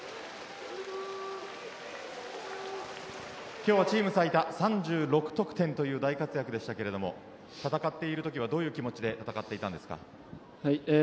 今日はチーム最多３６得点という大活躍でしたが戦っているときはどういう気持ちで戦っていたんですか？